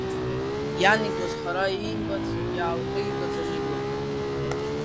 Иан игәазхара иимбац, иаалҟәигаӡом иблақәа.